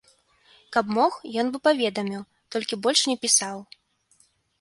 Каб мог, ён бы паведаміў, толькі больш не пісаў.